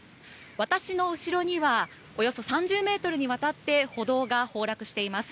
私の後ろにはおよそ３０ｍにわたって歩道が崩落しています。